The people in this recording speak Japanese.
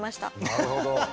なるほど。